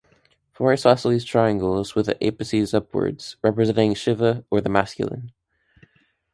Four isosceles triangles with the apices upwards, representing Shiva or the Masculine.